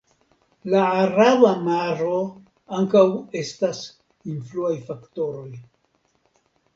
La Araba Maro ankaŭ estas influaj faktoroj.